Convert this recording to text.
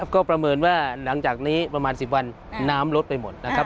ก็ประเมินว่าหลังจากนี้ประมาณ๑๐วันน้ำลดไปหมดนะครับ